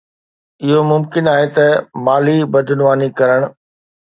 اهو ممڪن آهي ته مالي بدعنواني ڪرڻ.